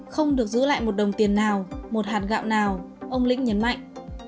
không được giữ lại một đồng tiền nào một hạt gạo nào ông lĩnh nhấn mạnh